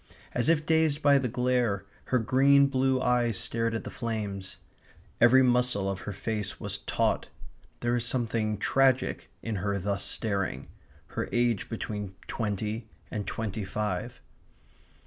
As if dazed by the glare, her green blue eyes stared at the flames. Every muscle of her face was taut. There was something tragic in her thus staring her age between twenty and twenty five.